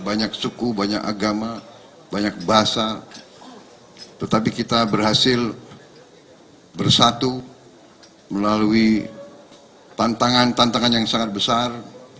banyak suku banyak agama banyak bahasa tetapi kita berhasil bersatu melalui tantangan tantangan yang sangat besar